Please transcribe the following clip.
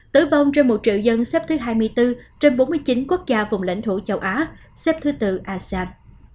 tử vong trên một triệu dân xếp thứ hai mươi bốn trên bốn mươi chín quốc gia vùng lãnh thổ châu á xếp thứ tư asean